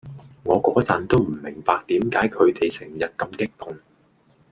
我個陣都唔明點解佢哋成日咁激動⠀